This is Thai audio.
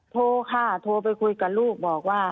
โทรค่ะโทรไปคุยกับลูกบอกว่า